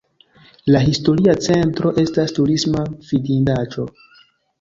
La historia centro estas turisma vidindaĵo.